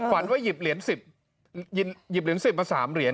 ฝันว่าหยิบเหรียญ๑๐หยิบเหรียญ๑๐มา๓เหรียญ